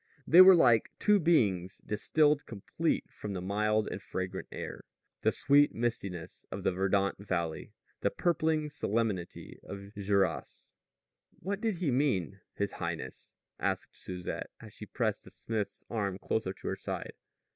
They were like two beings distilled complete from the mild and fragrant air, the sweet mistiness of the verdant valley, the purpling solemnity of the Juras. "What did he mean, his highness?" asked Susette as she pressed the smith's arm closer to her side.